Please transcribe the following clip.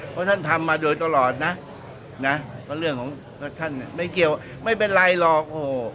เพราะท่านทำมาโดยตลอดนะนะก็เรื่องของท่านไม่เกี่ยวไม่เป็นไรหรอกโอ้โห